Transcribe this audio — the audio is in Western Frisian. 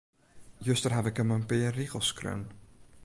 Juster haw ik him in pear rigels skreaun.